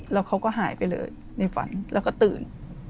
แล้วเขาก็หายไปเลยในฝันแล้วก็ตื่น